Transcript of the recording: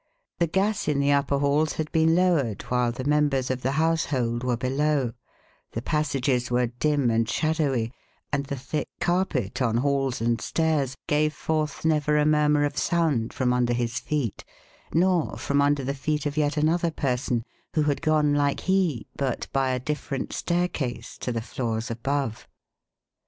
The gas in the upper halls had been lowered while the members of the household were below; the passages were dim and shadowy, and the thick carpet on halls and stairs gave forth never a murmur of sound from under his feet nor from under the feet of yet another person who had gone like he, but by a different staircase, to the floors above.